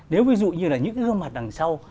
nếu ví dụ như là những cái mặt đằng sau